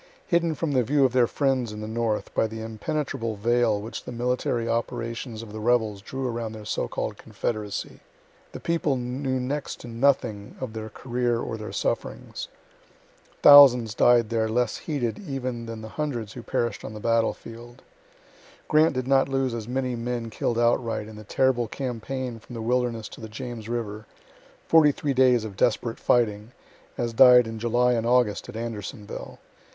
Hidden from the view of their friends in the north by the impenetrable veil which the military operations of the rebels drew around the so called confederacy, the people knew next to nothing of their career or their sufferings. Thousands died there less heeded even than the hundreds who perish'd on the battlefield. Grant did not lose as many men kill'd outright, in the terrible campaign from the Wilderness to the James river 43 days of desperate fighting as died in July and August at Andersonville.